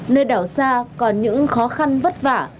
nơi đảo xa còn những khó khăn vất vả